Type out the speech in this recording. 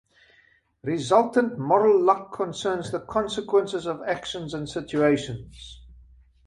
Resultant moral luck concerns the consequences of actions and situations.